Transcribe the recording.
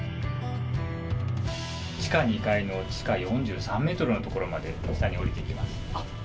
地下２階の地下４３ｍのところまで下に降りていきます。